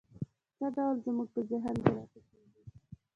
څه ډول زموږ په ذهن کې را ټوکېږي؟